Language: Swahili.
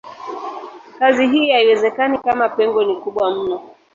Kazi hii haiwezekani kama pengo ni kubwa mno.